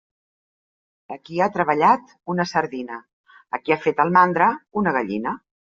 A qui ha treballat, una sardina; a qui ha fet el mandra, una gallina.